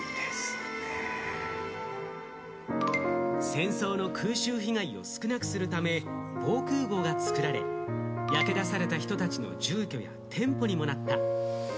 戦争の空襲被害を少なくするため、防空壕が作られ、焼け出された人たちの住居や店舗にもなった。